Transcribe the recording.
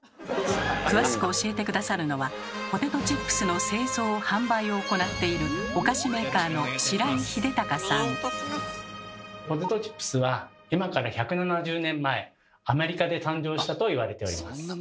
詳しく教えて下さるのはポテトチップスの製造・販売を行っているお菓子メーカーのポテトチップスは今から１７０年前アメリカで誕生したと言われております。